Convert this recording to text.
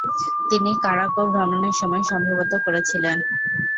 তিনি কারাকও ভ্রমণের সময় সম্ভবত করেছিলেন।